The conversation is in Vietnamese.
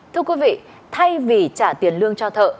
thưa quý vị thay vì trả tiền lương cho thợ